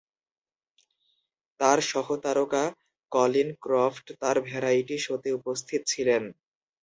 তার সহ-তারকা Colin Croft তার ভ্যারাইটি শোতে উপস্থিত ছিলেন।